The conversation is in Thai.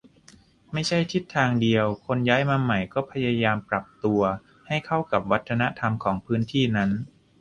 ไม่ใช่ทิศทางเดียว คนย้ายมาใหม่ก็พยายามปรับตัวให้เข้ากับวัฒนธรรมของพื้นที่นั้น